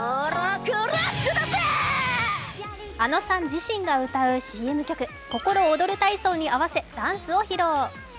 あのさん自身が歌うＣＭ曲、「ココロオドル体操」に合わせダンスを披露。